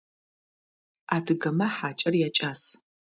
Адыгэмэ хьакIэр якIас.